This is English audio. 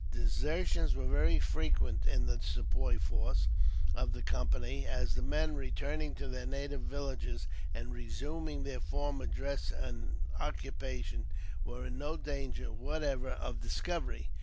Desertions were very frequent in the Sepoy force of the Company, as the men, returning to their native villages and resuming their former dress and occupation, were in no danger whatever of discovery.